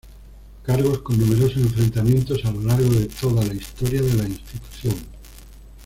Cargos con numerosos enfrentamientos a lo largo de toda la historia de la institución.